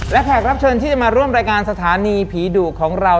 และแขกรับเชิญที่จะมาร่วมรายการสถานีผีดุของเรา